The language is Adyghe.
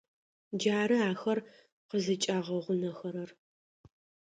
Джары ахэр къызыкӏагъэгъунэхэрэр.